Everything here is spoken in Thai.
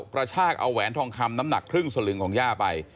กระชากเอาแหวนทองคำน้ำหนักครึ่งสลึงของย่าไป